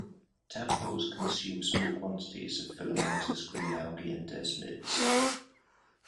Tadpoles consume small quantities of filamentous green algae and desmids.